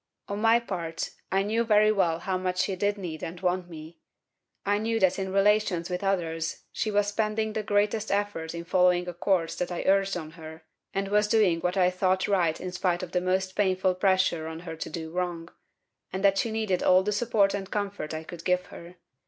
"On my part, I knew very well how much she did need and want me. I knew that in relations with others she was spending the greatest effort in following a course that I urged on her, and was doing what I thought right in spite of the most painful pressure on her to do wrong; and that she needed all the support and comfort I could give her.